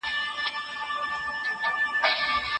خدایه کله به یې واورم د بابا له مېني زېری